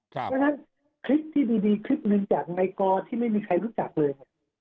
เพราะฉะนั้นคลิปที่ดีคลิปหนึ่งจากในกรที่ไม่มีใครรู้จักเลย